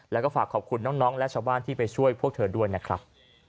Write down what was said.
และหากขอบคุณน้องชาวบ้านที่ไปช่วยด้วยครับ